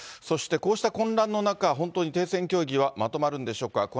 そして、こうした混乱の中、本当に停戦協議はまとまるんでしょうか。